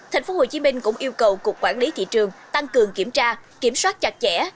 tp hcm cũng yêu cầu cục quản lý thị trường tăng cường kiểm tra kiểm soát chặt chẽ